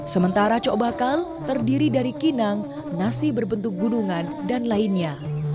sementara cok bakal terdiri dari kinang nasi berbentuk gunungan dan lainnya